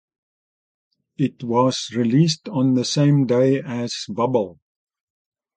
It was released on the same day as "Bubble".